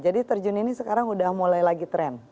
jadi terjun ini sekarang udah mulai lagi trend